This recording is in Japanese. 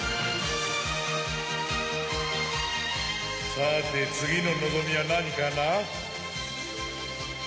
さて次の望みは何かな？